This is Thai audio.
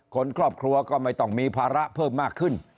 คนครอบครัวก็ไม่ต้องมีภาระเพิ่มมากขึ้น